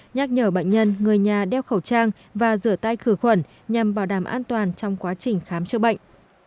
nhắc nhở bệnh nhân người nhà đeo khẩu trang và rửa tay khử khuẩn nhằm bảo đảm an toàn trong quá trình khám chữa bệnh